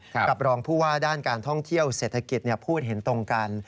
กับรองผู้ว่าด้านการท่องเที่ยวเศรษฐกิจพูดเห็นตรงกัน